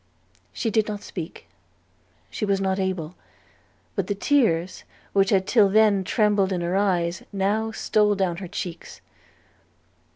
She did not speak; she was not able: but the tears which had till then trembled in her eyes now stole down her cheeks.